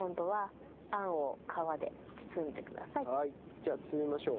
じゃあ包みましょう。